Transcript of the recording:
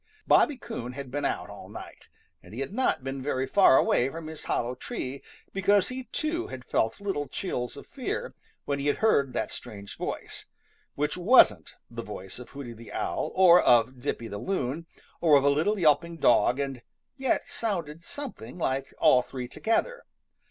Bobby Coon bad been out all night, but he had not been very far away from his hollow tree, because he too had felt little chills of fear when he heard that strange voice, which wasn't the voice of Hooty the Owl or of Dippy the Loon or of a little yelping dog and yet sounded something like all three together.